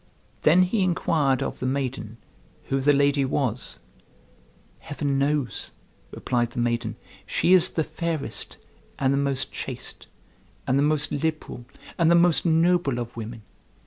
Then he inquired of the maiden who the lady was. "Heaven knows," replied the maiden, "she is the fairest and the most chaste, and the most liberal, and the most noble of women.